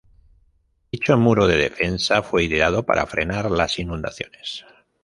Dicho Muro de Defensa fue ideado para frenar las inundaciones.